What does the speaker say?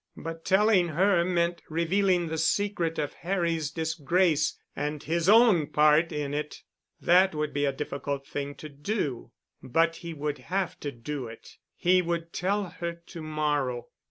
But telling her meant revealing the secret of Harry's disgrace and his own part in it. That would be a difficult thing to do, but he would have to do it. He would tell her to morrow.